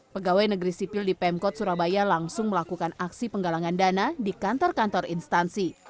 pegawai negeri sipil di pemkot surabaya langsung melakukan aksi penggalangan dana di kantor kantor instansi